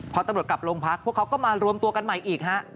พอตำรวจกลับโรงพักพวกเขาก็มารวมตัวกันใหม่อีกฮะ